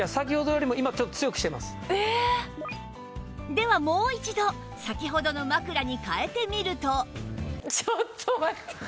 ではもう一度先ほどの枕に替えてみると